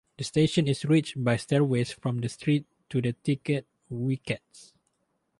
The station is reached by stairways from the street to the ticket wickets.